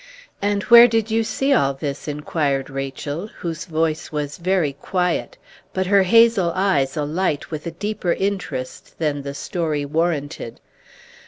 "And where did you see all this?" inquired Rachel, whose voice was very quiet, but her hazel eyes alight with a deeper interest than the story warranted.